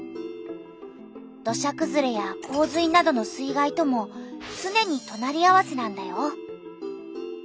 土砂くずれや洪水などの水害ともつねにとなり合わせなんだよ。